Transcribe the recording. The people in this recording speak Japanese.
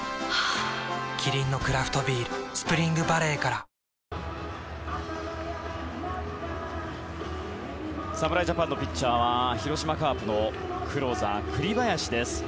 キリンのクラフトビール「スプリングバレー」から侍ジャパンのピッチャーは広島カープのクローザー栗林。